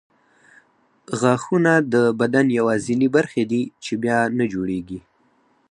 غاښونه د بدن یوازیني برخې دي چې بیا نه جوړېږي.